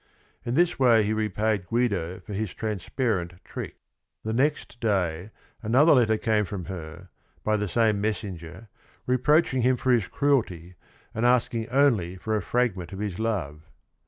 In this way, he repaid Guido for his transparent trick. The next day 6 82 THE RING AND THE BOOK another letter came from her, by the same mes senger, reproaching him for his cruelty, and asking only for a fragment of his love.